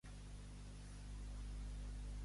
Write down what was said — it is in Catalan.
La paradoxa de Peto porta el seu nom.